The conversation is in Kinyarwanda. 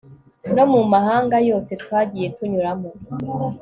no mu mahanga yose twagiye tunyuramo